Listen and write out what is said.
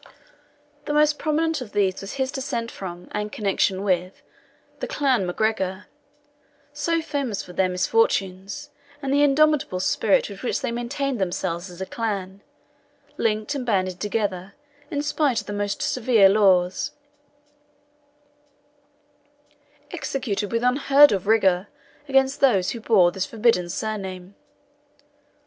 The most prominent of these was his descent from, and connection with, the clan MacGregor, so famous for their misfortunes, and the indomitable spirit with which they maintained themselves as a clan, linked and banded together in spite of the most severe laws, executed with unheard of rigour against those who bore this forbidden surname.